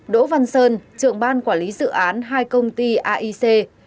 bốn đỗ văn sơn trưởng ban quản lý dự án hai công ty aic